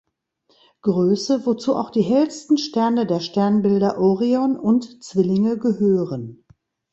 Größe, wozu auch die hellsten Sterne der Sternbilder Orion und Zwillinge gehören.